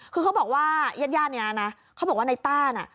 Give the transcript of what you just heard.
คือเขาบอกว่าญาตินี้นะเขาบอกว่าในต้าน่ะ